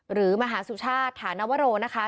หรือมหาสุชาติฐานวโรนะคะ